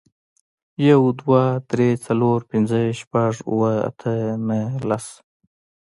یو, دوه, درې, څلور, پنځه, شپږ, اووه, اته, نهه, لس